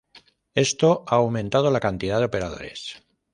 Esto ha aumentado la cantidad de operadores.